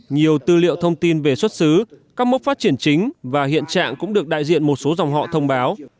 nhiều tư liệu thông tin về xuất xứ các mốc phát triển chính và hiện trạng cũng được đại diện một số dòng họ thông báo